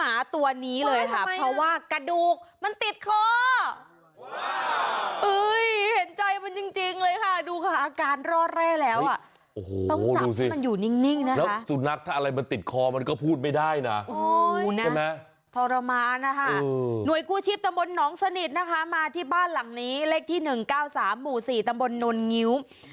มาที่บ้านหลังนี้เล็กที่๑๙๓หมู่๔ตำบลนนท์งิ้ว